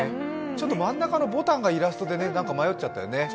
真ん中のボタンがイラストで迷っちゃったよね。